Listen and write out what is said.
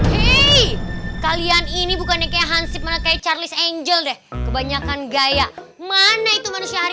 hai kalian ini bukannya kehanceng kayak charlie angel deh kebanyakan gaya mana itu manusia hari